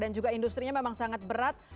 dan juga industri memang sangat berat